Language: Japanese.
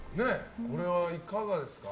これはいかがですか？